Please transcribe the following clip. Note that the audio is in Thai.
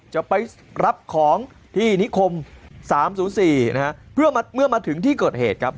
จะไปรับของที่นิคม๓๐๔นะฮะเพื่อเมื่อมาถึงที่เกิดเหตุครับ